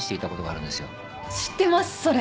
知ってますそれ。